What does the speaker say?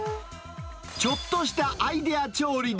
ちょっとしたアイデア調理で。